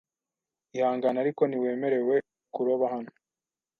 Ihangane, ariko ntiwemerewe kuroba hano.